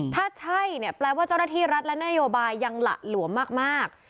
ถ้าใช่เนี่ยแปลว่าเจ้าหน้าที่รัฐและนโยบายยังหละหลวมมาก